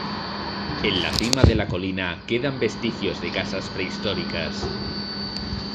En la cima de la colina quedan vestigios de casas prehistóricas.